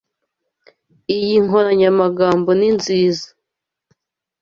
Iyi nkoranyamagambo ni nziza.